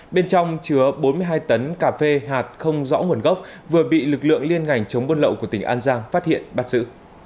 bên trong chứa bốn mươi hai tấn cà phê hạt không rõ nguồn gốc vừa bị lực lượng liên ngành chống buôn lậu của tỉnh an giang phát hiện bắt giữ